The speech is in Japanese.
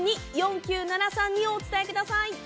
４９７３２をお伝えください。